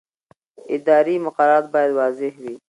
اداري مقررات باید واضح وي.